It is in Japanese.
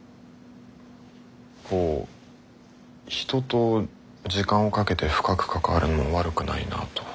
こう人と時間をかけて深く関わるのも悪くないなと。